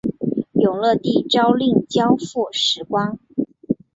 永乐帝诏令交付史官。